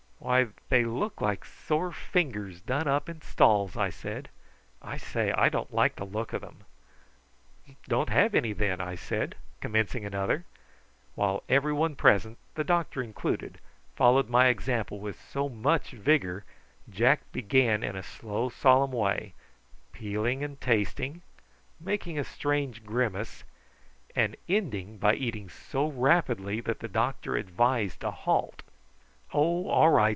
"Why, they look like sore fingers done up in stalls," he said. "I say, I don't like the look of them." "Don't have any, then," I said, commencing another; while every one present, the doctor included, followed my example with so much vigour that Jack began in a slow solemn way, peeling and tasting, and making a strange grimace, and ending by eating so rapidly that the doctor advised a halt. "Oh, all right!"